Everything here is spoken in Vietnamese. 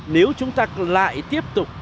nếu chúng ta lại tiếp tục